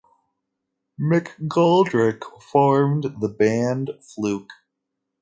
McGoldrick formed the band Fluke!